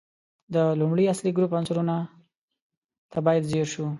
د لومړي اصلي ګروپ عنصرونو ته باید ځیر شو.